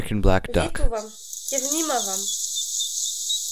Ветувам, ќе внимавам!